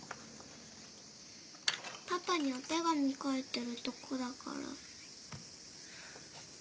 パパにお手紙書いてるとこだから。